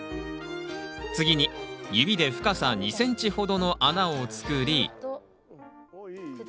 次に指で深さ２ｃｍほどの穴を作り